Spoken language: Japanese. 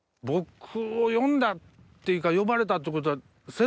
僕を呼んだっていうか呼ばれたってことは。